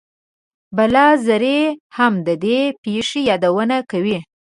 بلاذري هم د دې پېښې یادونه کوي.